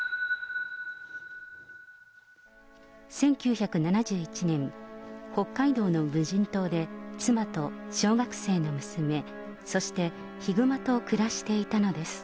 １９７１年、北海道の無人島で、妻と小学生の娘、そしてヒグマと暮らしていたのです。